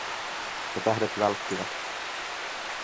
Ja tähdet välkkyvät.